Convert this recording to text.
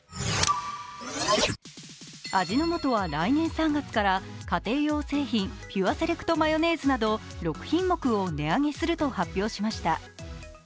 味の素は来年３月から家庭用製品ピュアセレクトマヨネーズなど６品目を値上げすると発表しました。